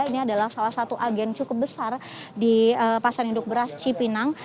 ini adalah salah satu agen cukup besar di pasar induk beras cipinang